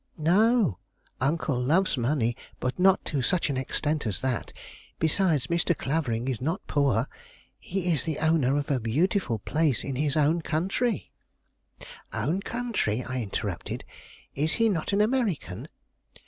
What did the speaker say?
"No; uncle loves money, but not to such an extent as that. Besides, Mr. Clavering is not poor. He is the owner of a beautiful place in his own country " "Own country?" I interrupted. "Is he not an American?"